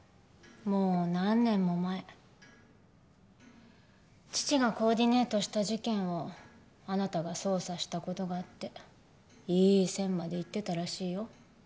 もう何年も前父がコーディネートした事件をあなたが捜査したことがあっていい線までいってたらしいよ